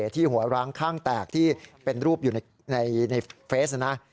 ที่หัวร้างข้างแตกที่เป็นรูปอยู่ในเฟซนะ